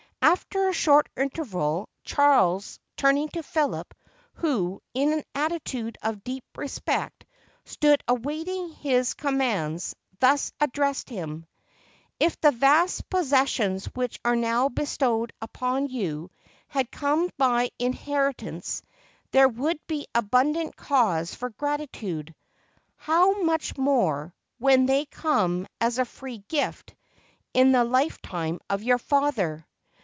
After a short interval, Charles, turning to Philip, who, in an attitude of deep respect, stood awaiting his com mands, thus addressed him: "If the vast possessions which are now bestowed upon you had come by inhe ritance, there would be abundant cause for gratitude. How much more, when they come as a free gift, in the lifetime of your father!